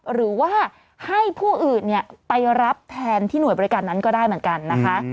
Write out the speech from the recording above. หรือว่าให้ผู้อื่นไปรับแทนที่หน่วยบริการนั้นก็ได้เหมือนกันนะคะ